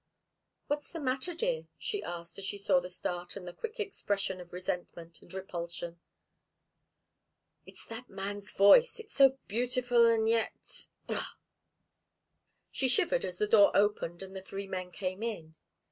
"What's the matter, dear?" she asked, as she saw the start and the quick expression of resentment and repulsion. "It's that man's voice it's so beautiful and yet ugh!" She shivered as the door opened and the three men came in.